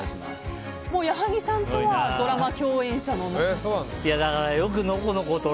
矢作さんとはドラマ共演者の仲だと。